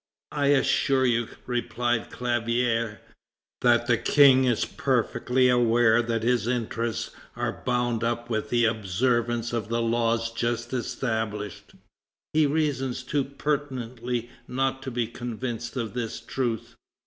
"I assure you," replied Clavière, "that the King is perfectly aware that his interests are bound up with the observance of the laws just established; he reasons too pertinently not to be convinced of this truth."